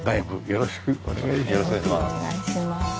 よろしくお願いします。